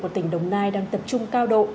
của tỉnh đồng nai đang tập trung cao độ